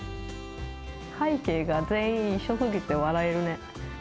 背景が全員、一緒すぎて笑えるね。